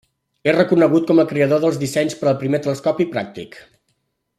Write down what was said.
És reconegut com el creador dels dissenys per al primer telescopi pràctic.